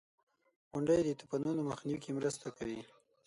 • غونډۍ د طوفانونو مخنیوي کې مرسته کوي.